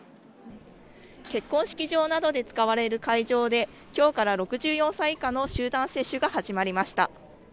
結婚式場などで使われる会場で、きょうから６４歳以下の集団接種が始まりました。